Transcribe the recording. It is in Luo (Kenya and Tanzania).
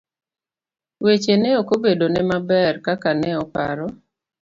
Weche ne okobedo ne maber kaka ne oparo.